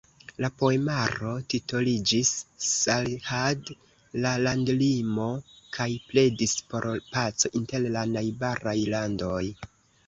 La poemaro titoliĝis "Sarhad" (La landlimo) kaj pledis por paco inter la najbaraj landoj.